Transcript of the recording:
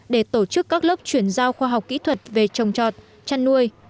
để tổ chức các lớp chuyển giao khoa học kỹ thuật về trồng trọt chăn nuôi